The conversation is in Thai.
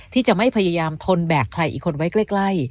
ที่จะไม่พยายามทนแบกใครอีกคนไว้ใกล้